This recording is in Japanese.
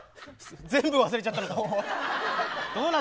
全部忘れちゃったのか。